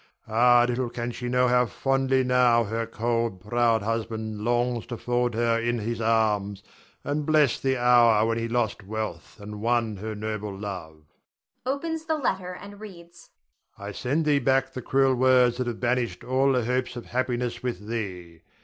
Ah, little can she know how fondly now her cold, proud husband longs to fold her in his arms and bless the hour when he lost wealth and won her noble love. [Opens the letter and reads.] I send thee back the cruel words that have banished all the hopes of happiness with thee.